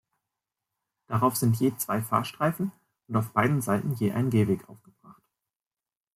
Darauf sind je zwei Fahrstreifen und auf beiden Seiten je ein Gehweg aufgebracht.